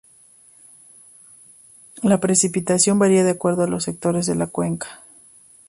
La precipitación varía de acuerdo a los sectores de la cuenca.